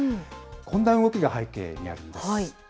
こんな動きが背景にあるんです。